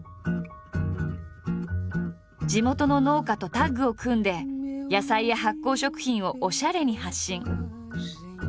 地元の農家とタッグを組んで野菜や発酵食品をおしゃれに発信。